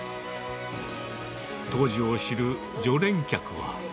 当時を知る常連客は。